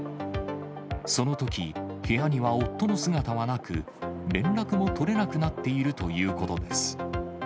そのとき、部屋には夫の姿はなく、連絡も取れなくなっているということです。